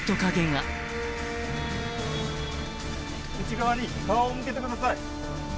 内側に顔を向けてください。